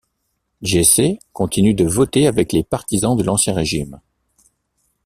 Jessé continue de voter avec les partisans de l'Ancien Régime.